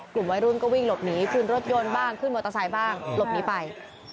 กลุ่มวัยรุ่นก็วิ่งหลบหนีขึ้นรถยนต์บ้างขึ้นมอเตอร์ไซค์บ้างหลบหนีไป